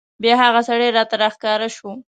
بیا هغه سړی راته راښکاره شو.